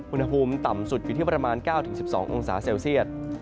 อุณหภูมิต่ำสุดอยู่ที่ประมาณ๙๑๒องศาเซลเซียต